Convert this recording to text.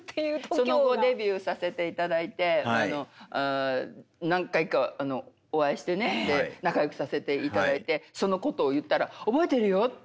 その後デビューさせて頂いて何回かあのお会いしてね仲良くさせて頂いてそのことを言ったら覚えてるよって。